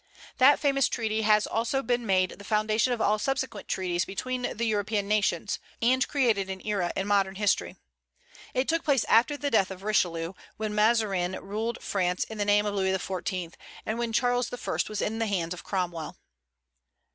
That famous treaty has also been made the foundation of all subsequent treaties between the European nations, and created an era in modern history. It took place after the death of Richelieu, when Mazarin ruled France in the name of Louis XIV., and when Charles I. was in the hands of Cromwell.